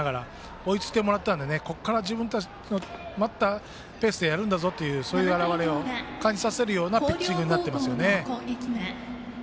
追いついてもらったのでここから自分たちのペースでやるんだぞというのを感じさせるようなピッチングになってますよね。